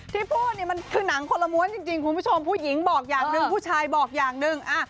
ที่พูดเนี่ยมันคือหนังคนละม้วนจริงคุณผู้ชมผู้หญิงบอกอย่างหนึ่งผู้ชายบอกอย่างหนึ่ง